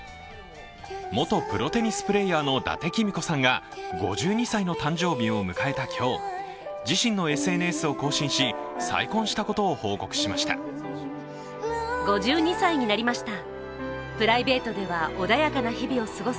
元プロテニスプレーヤーの伊達公子さんが５２歳の誕生日を迎えた今日、自身のＳＮＳを更新し再婚したことを報告しました。